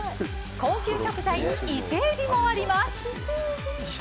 高級食材伊勢エビもあります。